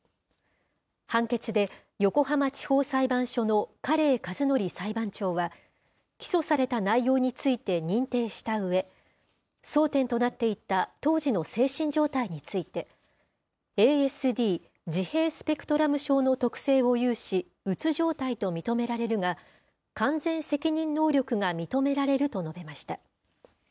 判決で横浜地方裁判所の家令和典裁判長は、起訴された内容について認定したうえ、争点となっていた当時の精神状態について、ＡＳＤ・自閉スペクトラム症の特性を有し、うつ状態と認められるが、完全責任能力が認められると述べました。